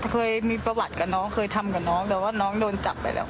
เคยมีประวัติกับน้องเคยทำกับน้องแต่ว่าน้องโดนจับไปแล้ว